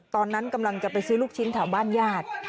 ตอนนั้นกำลังจะไปซื้อลูกชิ้นแถวบ้านญาติ